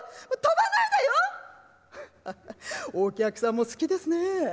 「ハハッお客さんも好きですねえ」。